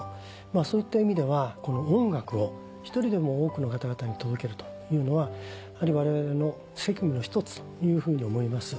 そういった意味では音楽を一人でも多くの方々に届けるというのはやはり我々の責務の一つというふうに思います。